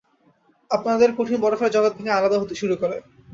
আমাদের কঠিন বরফের জগৎ ভেঙে আলাদা হতে শুরু করে।